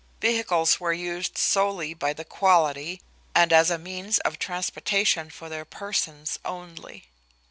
Vehicles were used solely by the quality and as a means of transportation for their persons only.